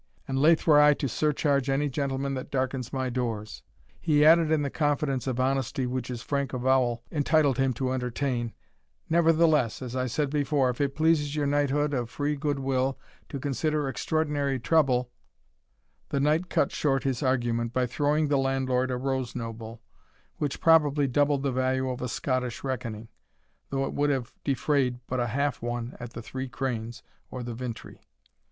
And laith were I to surcharge any gentleman that darkens my doors." He added in the confidence of honesty which his frank avowal entitled him to entertain, "Nevertheless, as I said before, if it pleases your knighthood of free good will to consider extraordinary trouble " The knight cut short his argument, by throwing the landlord a rose noble, which probably doubled the value of a Scottish reckoning, though it would have defrayed but a half one at the Three Cranes or the Vintry.